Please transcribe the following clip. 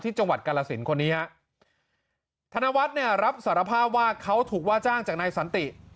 จังหวัดกาลสินคนนี้ฮะธนวัฒน์เนี่ยรับสารภาพว่าเขาถูกว่าจ้างจากนายสันติ